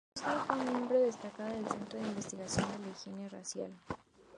Justin fue una miembro destacada del Centro de Investigación de la Higiene Racial.